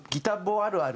あるある？